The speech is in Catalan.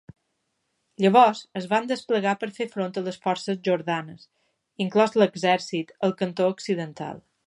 Llavors, es van desplegar per fer front a les forces jordanes, inclòs l"exercit, al cantó occidental.